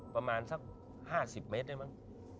ประมาณสัก๕๐เมตรเนี่ยมั้ง